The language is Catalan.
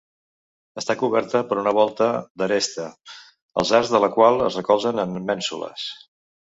Està coberta per una volta d'aresta, els arcs de la qual es recolzen en mènsules.